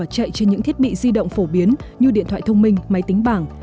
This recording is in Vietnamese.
các ứng dụng được tạo ra từ những thiết bị di động phổ biến như điện thoại thông minh máy tính bảng